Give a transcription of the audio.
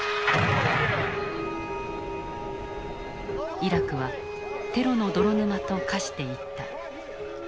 イラクはテロの泥沼と化していった。